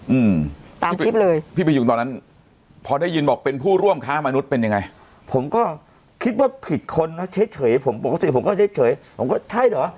อืมตามคลิปเลยพี่พยุงตอนนั้นพอได้ยินบอกเป็นผู้ร่วมค้ามนุษย์เป็นยังไงผมก็คิดว่าผิดคนนะเฉยผมปกติผมก็เฉยผมก็ใช่เหรอ